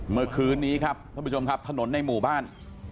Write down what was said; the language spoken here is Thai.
เมื่อคืนนี้ครับท่านผู้ชมครับถนนในหมู่บ้าน